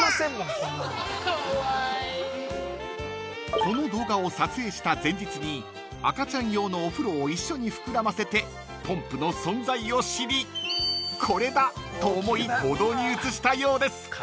［この動画を撮影した前日に赤ちゃん用のお風呂を一緒に膨らませてポンプの存在を知りこれだと思い行動に移したようです］